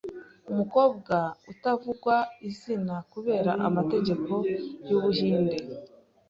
Umukobwa utavugwa izina kubera amategeko y’Ubuhinde